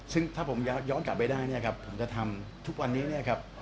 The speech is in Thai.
ซึ่งถ้าผมย้อนกลับไปได้เนี่ยครับผมจะทำทุกวันนี้เนี่ยครับ